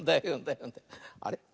あれ？